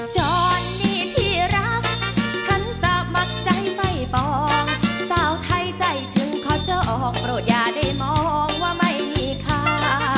ช้อนนี่ที่รักฉันสมัครใจไม่ปองสาวไทยใจถึงขอเจ้าออกโปรดอย่าได้มองว่าไม่มีค่า